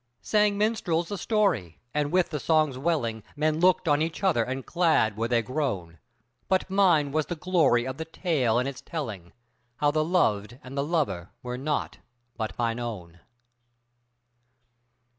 Sang minstrels the story, and with the song's welling Men looked on each other and glad were they grown, But mine was the glory of the tale and its telling How the loved and the lover were naught but mine own.